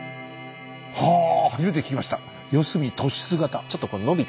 はぁ初めて聞きました。